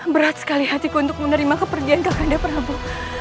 berat sekali hatiku untuk menerima kepergian kakande perabu